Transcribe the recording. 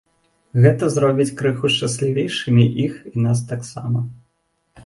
Гэта зробіць крыху шчаслівейшымі іх і нас таксама.